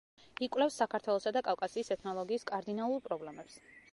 იკვლევს საქართველოსა და კავკასიის ეთნოლოგიის კარდინალურ პრობლემებს.